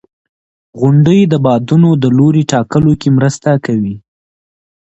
• غونډۍ د بادونو د لوري ټاکلو کې مرسته کوي.